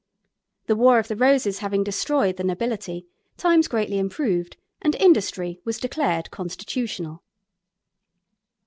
] The War of the Roses having destroyed the nobility, times greatly improved, and Industry was declared constitutional.